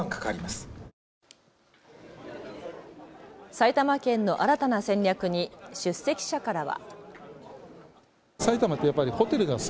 埼玉県の新たな戦略に出席者からは。